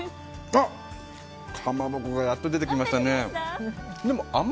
あっ、かまぼこがやっと出てきましたね。